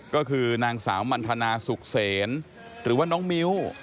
ก็คือนางสาวมันทนาสุขเสนหรือว่าน้องมิ้ว